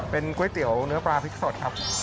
เป็นก๋วยเตี๋ยวเนื้อปลาพริกสดครับ